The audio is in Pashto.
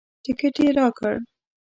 ټکټ یې راکړ.